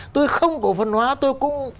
tôi không cổ phần hóa tôi cũng